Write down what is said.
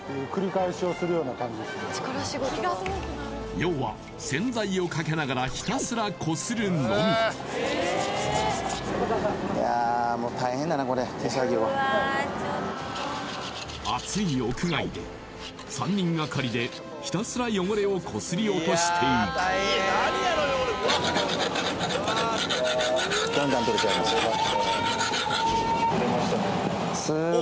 要は洗剤をかけながらひたすらこするのみいやもう暑い屋外で３人がかりでひたすら汚れをこすり落としていくいや